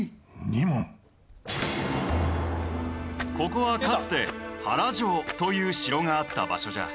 ここはかつて原城という城があった場所じゃ。